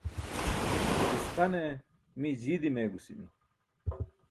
Tisqane mii jii dimeegusimi.